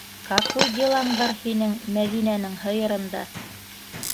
Какуй делаң бар һинең Мәҙинәнең һыйырында?!